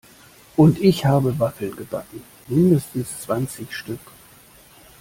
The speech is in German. Und ich habe Waffeln gebacken, mindestens zwanzig Stück!